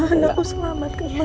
anakku selamatkan ma